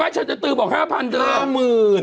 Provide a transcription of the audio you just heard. ไม่ชั้นจะเตอร์บอก๕๐๐๐เดิม